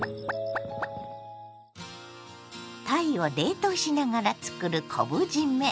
たいを冷凍しながらつくる昆布じめ。